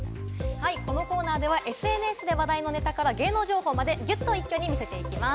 このコーナーではＳＮＳで話題のネタから芸能情報までギュッと一気に見せていきます。